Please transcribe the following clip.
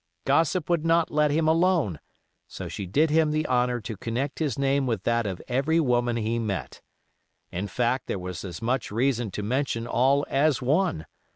Gossip would not let him alone, so she did him the honor to connect his name with that of every woman he met. In fact, there was as much reason to mention all as one.